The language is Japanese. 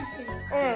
うん。